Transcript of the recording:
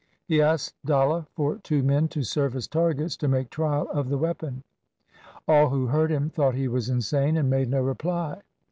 He asked Dalla for two men to serve as targets to make trial of the weapon. All who heard him thought he was insane and made no reply.